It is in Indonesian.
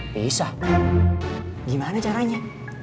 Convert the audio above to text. pisah gimana caranya